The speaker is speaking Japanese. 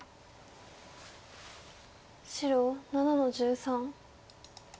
白７の十三。